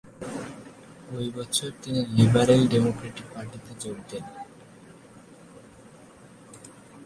ঐ বছর তিনি লিবারেল ডেমোক্র্যাটিক পার্টিতে যোগ দেন।